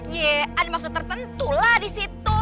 ya ada maksud tertentu lah di situ